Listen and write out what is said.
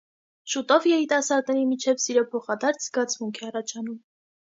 Շուտով երիտասարդների միջև սիրո փոխադարձ զգացմունք է առաջանում։